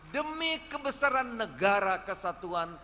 demi kebesaran negara kesatuan